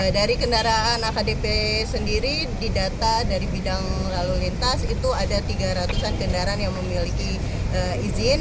dari kendaraan akdp sendiri di data dari bidang lalu lintas itu ada tiga ratus an kendaraan yang memiliki izin